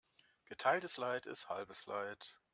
Geteiltes Leid ist halbes Leid.